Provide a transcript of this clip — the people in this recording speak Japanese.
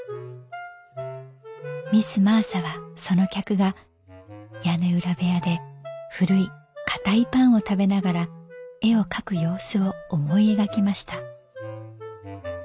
「ミス・マーサはその客が屋根裏部屋で古いかたいパンを食べながら絵を描く様子を思い描きました」。